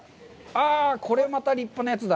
これまた立派なやつだ。